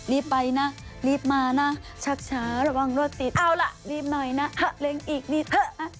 รีบไปนะรีบมานะชักช้าระวังรถติดเอาล่ะรีบหน่อยนะเล็งอีกรีบเถอะ